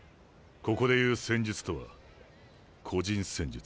ここで言う戦術とは個人戦術。